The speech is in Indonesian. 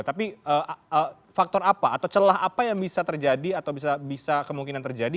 tapi faktor apa atau celah apa yang bisa terjadi atau bisa kemungkinan terjadi